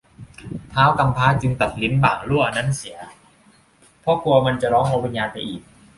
ท้าวกำพร้าจึงตัดลิ้นบ่างลั่วนั้นเสีย เพราะกลัวมันจะร้องเอาวิญญาณไปอีก